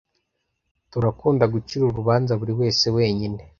Turakunda gucira urubanza buri wese wenyine.